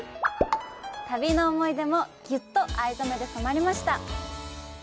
旅の思い出もギュッと藍染で染まりました。